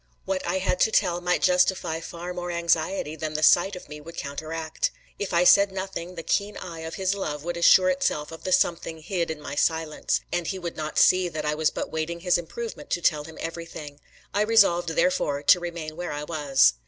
What I had to tell might justify far more anxiety than the sight of me would counteract. If I said nothing, the keen eye of his love would assure itself of the something hid in my silence, and he would not see that I was but waiting his improvement to tell him everything. I resolved therefore to remain where I was.